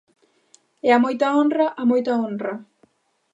E a moita honra, ¡a moita honra!